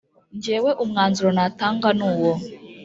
Ngewe umwanzuro natanga nuwo